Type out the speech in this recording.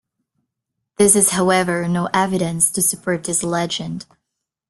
There is however, no evidence to support this legend.